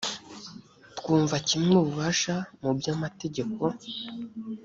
twumva kimwe ubufasha mu by amategeko